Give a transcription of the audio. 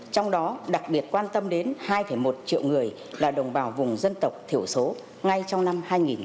trong đó đặc biệt quan tâm đến hai một triệu người là đồng bào vùng dân tộc thiểu số ngay trong năm hai nghìn một mươi chín